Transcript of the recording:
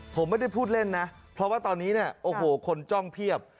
ผมไม่ได้พูดเล่นนะเพราะว่าตอนนี้เนี่ยโอ้โหคนจ้องเพียบ